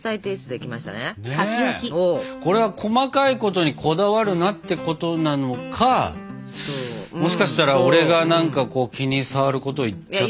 これは細かいことにこだわるなってことなのかもしかしたら俺が何か気に障ること言っちゃって。